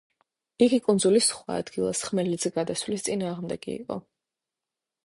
იგი კუნძულის სხვა ადგილას ხმელეთზე გადასვლის წინააღმდეგი იყო.